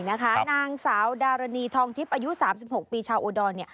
นางสาวดารณีทองทิพย์อายุ๓๖ปีชาวอุดร